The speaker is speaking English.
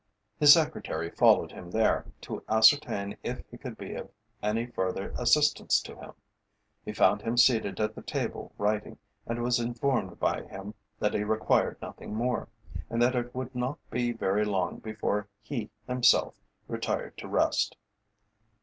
His secretary followed him there, to ascertain if he could be of any further assistance to him. He found him seated at the table writing, and was informed by him that he required nothing more, and that it would not be very long before he himself retired to rest.